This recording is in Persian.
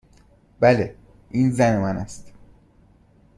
بله. این زن من است.